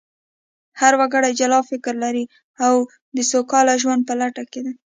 هر وګړی جلا فکر لري او د سوکاله ژوند په لټه کې دی